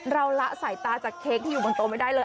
ละสายตาจากเค้กที่อยู่บนโต๊ะไม่ได้เลย